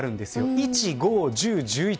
１、５、１０、１１。